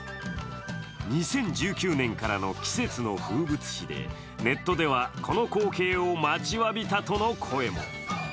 ２０１９年からの季節の風物詩でネットでは、この光景を待ちわびたとの声も。